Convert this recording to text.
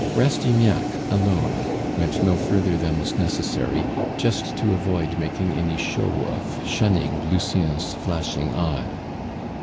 Rastignac alone went no further than was necessary, just to avoid making any show of shunning Lucien's flashing eye.